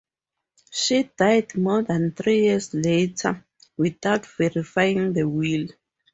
She died more than three years later without verifying the will.